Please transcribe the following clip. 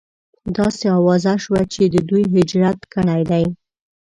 داسې اوازه شوه چې دوی هجرت کړی دی.